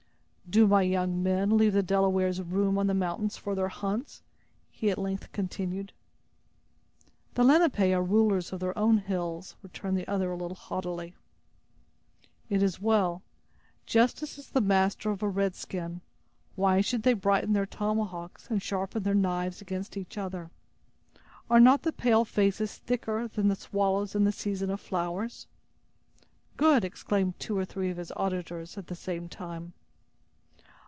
"Do my young men leave the Delawares room on the mountains for their hunts?" he at length continued. "The Lenape are rulers of their own hills," returned the other a little haughtily. "It is well. Justice is the master of a red skin. Why should they brighten their tomahawks and sharpen their knives against each other? Are not the pale faces thicker than the swallows in the season of flowers?" "Good!" exclaimed two or three of his auditors at the same time.